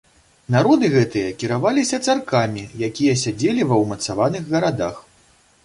Народы гэтыя кіраваліся царкамі, якія сядзелі ва ўмацаваных гарадах.